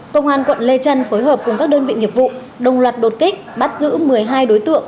công an quận lê trân phối hợp cùng các đơn vị nghiệp vụ đồng loạt đột kích bắt giữ một mươi hai đối tượng